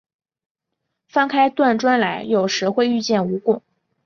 翻开断砖来，有时会遇见蜈蚣